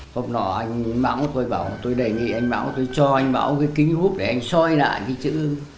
hôm đó anh bảo tôi bảo tôi đề nghị anh bảo tôi cho anh bảo cái kính hút để anh soi lại cái chữ